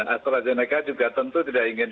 astrazeneca juga tentu tidak ingin